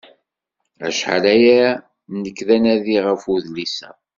Acḥal aya nekk d anadi ɣef udlis-a.